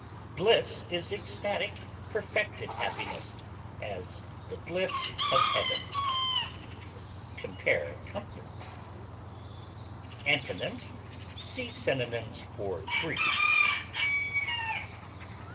Bliss is ecstatic, perfected happiness; as, the bliss of heaven. Compare COMFORT. Antonyms: See synonyms for GRIEF.